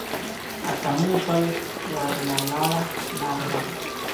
اتڼونه شول ورا لاړه ناوې راغله.